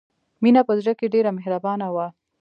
مینه په زړه کې ډېره مهربانه وه